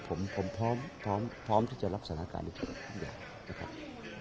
ผมพร้อมที่จะรับสถานการณ์อย่างนี้นะครับ